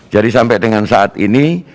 jadi sampai dengan saat ini